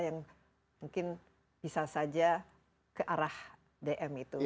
yang mungkin bisa saja ke arah dm itu